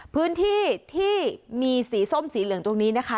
พื้นที่ที่มีสีส้มสีเหลืองตรงนี้นะคะ